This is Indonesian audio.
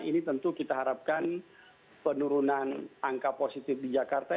ini tentu kita harapkan penurunan angka positif di jakarta